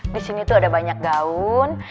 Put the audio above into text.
disini tuh ada banyak gaun